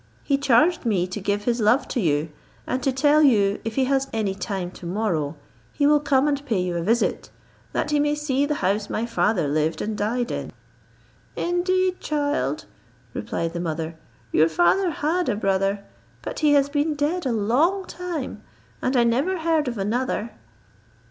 He charged me to give his love to you, and to tell you, if he has any time to morrow, he will come and pay you a visit, that he may see the house my father lived and died in." "Indeed, child," replied the mother, "your father had a brother, but he has been dead a long time, and I never heard of another."